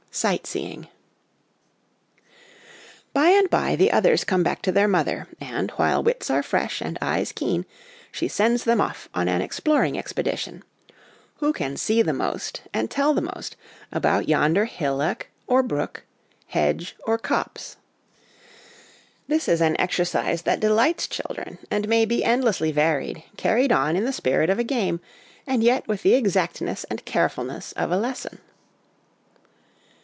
SIGHT SEEING ' By and by the others come back to their mother, and, while wits are fresh and eyes keen, she sends them off on an exploring expedition Who can see the most, and tell the most, about yonder hillock or 46 HOME EDUCATION brook, hedge or copse. This is an exercise that delights children, and may be endlessly varied, carried on in the spirit of a game, and yet with the exactness and carefulness of a lesson.